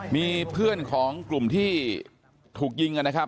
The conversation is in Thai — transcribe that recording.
มีเพื่อนของกลุ่มที่ถูกยิงนะครับ